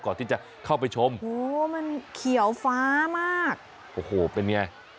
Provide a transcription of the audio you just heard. ก่อนที่จะเข้าไปชมโอ้โหมันเขียวฟ้ามากโอ้โหเป็นไง